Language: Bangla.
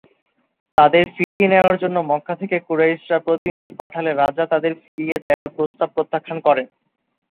তাদের ফিরিয়ে নেয়ার জন্য মক্কা থেকে কুরাইশরা প্রতিনিধি পাঠালে রাজা তাদের ফিরিয়ে দেয়ার প্রস্তাব প্রত্যাখ্যান করেন।